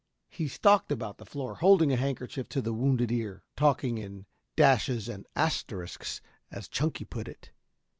He stalked about the floor, holding a handkerchief to the wounded ear, "talking in dashes and asterisks," as Chunky put it.